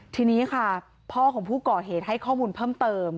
ทีนี้ค่ะพ่อของผู้ก่อเหตุให้ข้อมูลเพิ่มเติม